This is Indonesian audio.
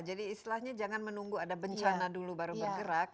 jadi istilahnya jangan menunggu ada bencana dulu baru bergerak